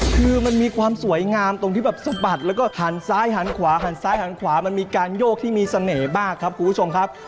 คือมันมีความสวยงามตรงที่แบบสะบัดแล้วก็หันซ้ายหันขวาหันซ้ายหันขวามันมีการโยกที่มีเสน่ห์มากครับคุณผู้ชมครับ